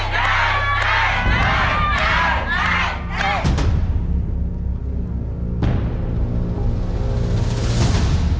ได้